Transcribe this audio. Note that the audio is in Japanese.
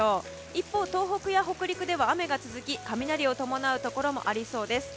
一方、東北や北陸では雨が続き雷を伴うところもありそうです。